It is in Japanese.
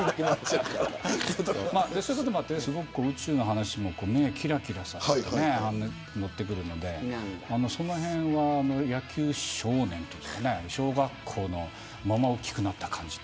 そういうこともあって宇宙の話を目をキラキラさせて乗ってくるのでそのへんは野球少年というか小学校のまま大きくなった感じ。